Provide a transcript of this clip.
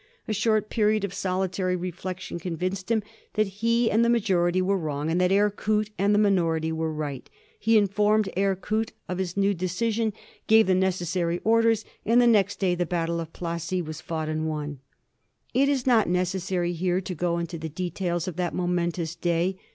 A short period of solitary reflection convinced him that he and the majority were wrong, and that Eyre Coote and the minority were right. He informed Eyre Coote of his new decision, gave the necessary orders, and the next day the battle of Plassey was fought and won. It is not necessary here to go into the details of that momentous day.